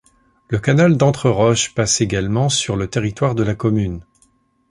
Le Canal d’Entreroches passe également sur le territoire de la commune.